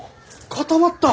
固まった！